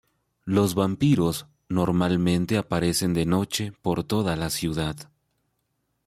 Los vampiros normalmente aparecen de noche por toda la ciudad.